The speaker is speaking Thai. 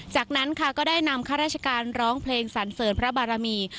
จากนั้นค่ะก็ได้นำข้าราชการร้องเพลงสันเสริญพระบารมี